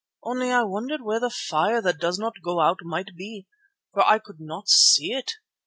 Only I wondered where the fire that does not go out might be, for I could not see it.